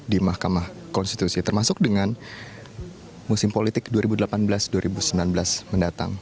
di mahkamah konstitusi termasuk dengan musim politik dua ribu delapan belas dua ribu sembilan belas mendatang